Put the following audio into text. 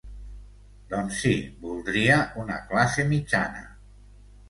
Doncs sí, voldria una classe mitjana.